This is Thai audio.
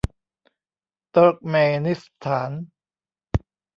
เติร์กเมนิสถาน